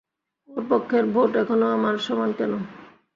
ওর পক্ষের ভোট এখনো আমার সমান কেন?